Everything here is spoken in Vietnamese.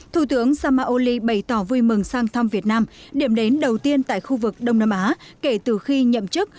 thủ tướng samaoli bày tỏ vui mừng sang thăm việt nam điểm đến đầu tiên tại khu vực đông nam á kể từ khi nhậm chức